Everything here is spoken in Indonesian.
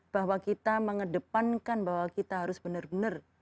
bahwa kita mengedepankan bahwa kita harus benar benar